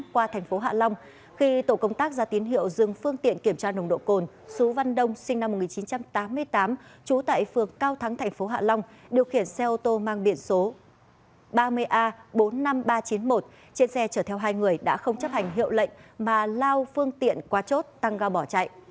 qua thành phố hạ long khi tổ công tác ra tín hiệu dừng phương tiện kiểm tra nồng độ cồn sú văn đông sinh năm một nghìn chín trăm tám mươi tám trú tại phường cao thắng thành phố hạ long điều khiển xe ô tô mang biển số ba mươi a bốn mươi năm nghìn ba trăm chín mươi một trên xe chở theo hai người đã không chấp hành hiệu lệnh mà lao phương tiện qua chốt tăng giao bỏ chạy